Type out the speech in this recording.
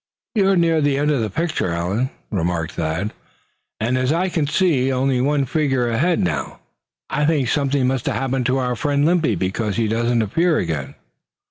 "You're near the end of the picture, Allan," remarked Thad; "and as I can see only one figure ahead now, I think something must have happened to our friend Limpy, because he doesn't appear again."